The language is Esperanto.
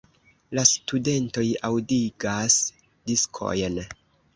La studentoj aŭdigas diskojn.